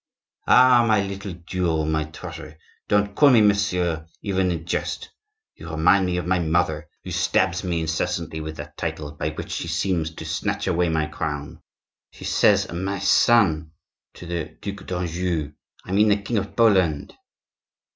"Ah! my little jewel, my treasure, don't call me 'monsieur,' even in jest; you remind me of my mother, who stabs me incessantly with that title, by which she seems to snatch away my crown. She says 'my son' to the Duc d'Anjou—I mean the king of Poland."